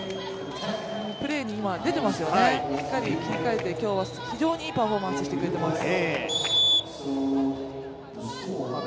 プレーに出てますよね、しっかり切り替えて今日は非常にいいパフォーマンスをしてくれています。